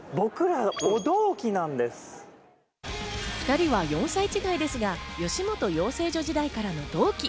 ２人は４歳違いですが、吉本養成所時代からの同期。